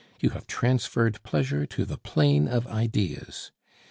You have transferred pleasure to the plane of ideas.